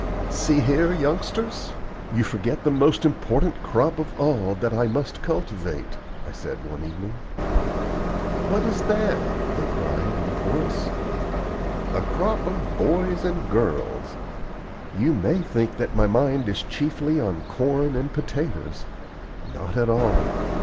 "See here, youngsters, you forget the most important crop of all that I must cultivate," I said one evening. "What is that?" they cried in chorus. "A crop of boys and girls. You may think that my mind is chiefly on corn and potatoes. Not at all.